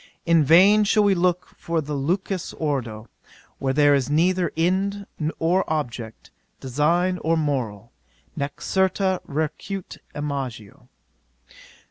"In vain shall we look for the lucidus ordo', where there is neither end or object, design or moral, nec certa recurrit imago."